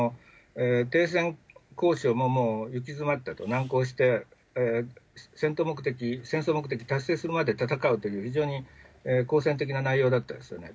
停戦交渉ももう行き詰ったと、難航して、戦争目的達成するまで戦うという、非常に好戦的な内容だったですよね。